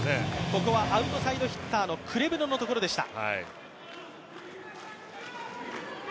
ここはアウトサイドヒッターのクレブノのところでした。